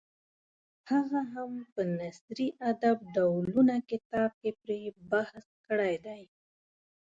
هغه هم په نثري ادب ډولونه کتاب کې پرې بحث کړی دی.